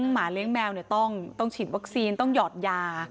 หมาเลี้ยงแมวต้องฉีดวัคซีนต้องหยอดยา